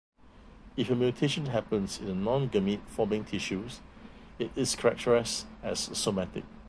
If a mutation happens in the non-gamete forming tissues, it is characterized as somatic.